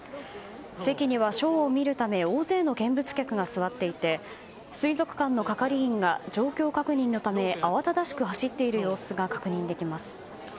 席には、ショーを見るため大勢の見物客が座っていて水族館の係員が状況確認のため慌ただしく走っている様子が確認できます。